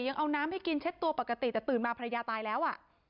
ยังเอาน้ำให้กินเช็ดตัวปกติแต่ตื่นมาภรรยาตายแล้วอ่ะ